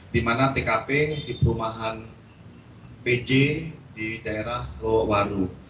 dimana tkp di perumahan pj di daerah lohowaru